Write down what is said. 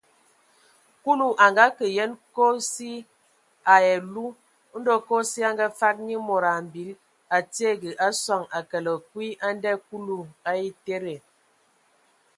Kulu a ngakǝ yen kosi ai alu, ndɔ kosi a ngafag nye mod mbil a tiege a sɔŋ a kələg kwi a ndɛ Kulu a etede.